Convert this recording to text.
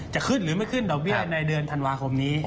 จะขึ้นหรือไม่ขึ้นดอกเบี้ยในเดือนธันวาคมนี้